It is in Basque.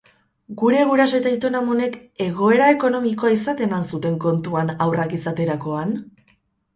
Gure guraso eta aiton-amonek egoera ekonomiko izaten al zuten kontuan haurrak izaterakoan?